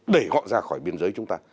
để họ ra khỏi biên giới chúng ta